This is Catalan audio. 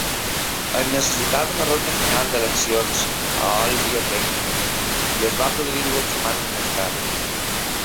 Es necessitava una ronda final d'eleccions a Òlbia-Tempio, i es va produir dues setmanes més tard.